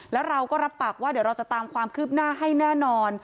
แล้วเราก็รับปากว่าเดี๋ยวเราจะตามความคืบหน้าให้แน่นอน